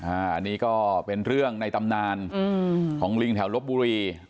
อันนี้ก็เป็นเรื่องในตำนานของลิงแถวลบบุรี